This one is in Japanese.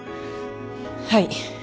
はい。